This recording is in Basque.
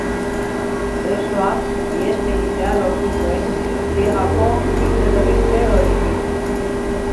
Presoak ihes egitea lortu zuen ziegako haizeberritze hoditik.